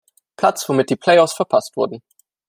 Platz womit die Play-Offs verpasst wurden.